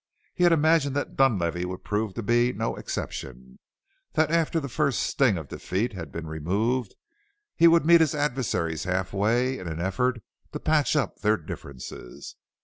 He had imagined that Dunlavey would prove to be no exception, that after the first sting of defeat had been removed he would meet his adversaries half way in an effort to patch up their differences.